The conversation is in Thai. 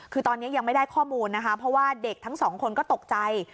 คือตอนนี้ยังไม่ได้ข้อมูลนะคะเพราะว่าเด็กทั้งสองคนก็ตกใจ